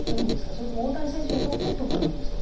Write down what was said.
それとも大谷選手にとって特にいいんですか？